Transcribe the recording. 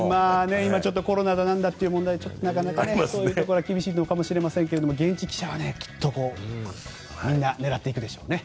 今コロナだなんだという問題でなかなかそういうところは厳しいかもしれませんが現地記者はきっとみんな狙っていくでしょうね。